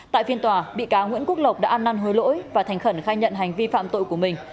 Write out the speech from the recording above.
tại phiên tòa bị cáo nguyễn quốc lộc đã ăn năn hối lỗi và thành khẩn khai nhận hành vi phạm tội của mình